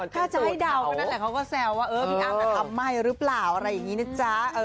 ถ้าจะให้เดาแต่เขาก็แซวว่าพี่อ้ำก็ทำไม่หรือเปล่าอะไรอย่างนี้นะจ๊ะ